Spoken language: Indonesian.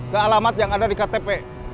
ke alamat yang ada di ktp